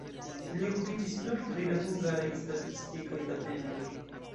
Li okupiĝis nur pri la hungaraj statistikaj datenoj.